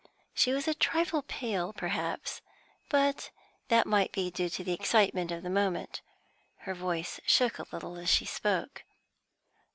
She was a trifle pale, perhaps, but that might be due to the excitement of the moment; her voice shook a little as she spoke.